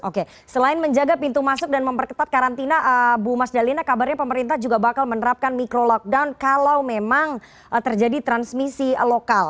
oke selain menjaga pintu masuk dan memperketat karantina bu mas dalina kabarnya pemerintah juga bakal menerapkan micro lockdown kalau memang terjadi transmisi lokal